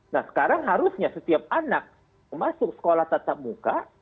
nah sekarang harusnya setiap anak masuk sekolah tatap muka